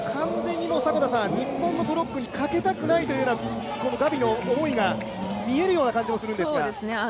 完全に日本のブロックにかけたくないというガビの思いが見えるような感じもするんですが。